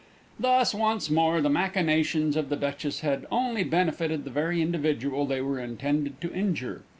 Thus once more the machinations of the Duchess had only benefited the very individual they were intended to injure!